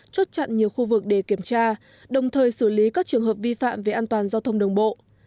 chốt chặn nhiều khu vực để kiểm tra đồng thời xử lý các trường hợp vi phạm về an toàn giao thông đường bộ